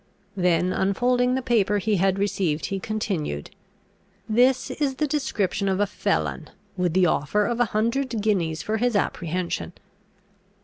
Then unfolding the paper he had received, he continued: "This is the description of a felon, with the offer of a hundred guineas for his apprehension.